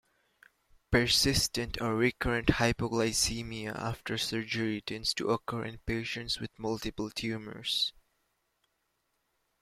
Persistent or recurrent hypoglycemia after surgery tends to occur in patients with multiple tumours.